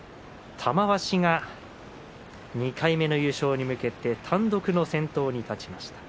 玉鷲が２回目の優勝に向けて単独の先頭に立ちました。